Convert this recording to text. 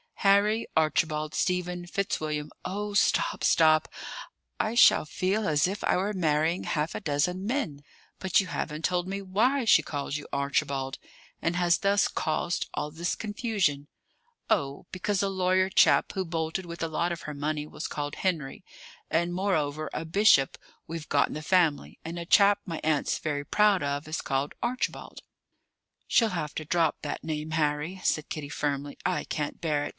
"Harry Archibald Stephen Fitzwilliam " "Oh, stop, stop! I shall feel as if I were marrying half a dozen men. But you haven't told me why she calls you Archibald; and has thus caused all this confusion!" "Oh, because a lawyer chap who bolted with a lot of her money was called Henry; and, moreover, a bishop we've got in the family, and a chap my aunt's very proud of, is called Archibald." "She'll have to drop that name, Harry," said Kitty firmly. "I can't bear it.